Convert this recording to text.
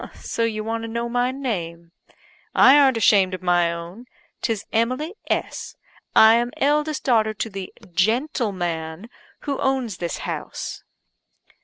So you want to know my name. I arn't ashamed of my own; 'tis Emily S . I am eldest daughter to the gentleman who owns this house."